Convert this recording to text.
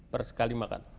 per sekali makan